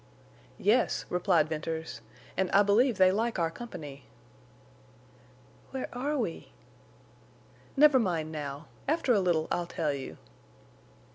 "Yes," replied Venters, "and I believe they like our company." "Where are we?" "Never mind now. After a little I'll tell you."